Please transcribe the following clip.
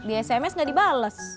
di sms gak dibales